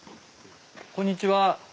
こんにちは。